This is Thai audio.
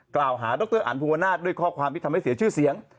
กล่าวหาดรอันภูวนาศด้วยข้อความที่ทำให้เสียชื่อเสียง